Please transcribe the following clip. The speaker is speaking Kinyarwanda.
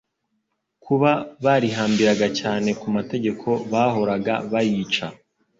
Kuba barihambiraga cyane ku mategeko, bahoraga bayica.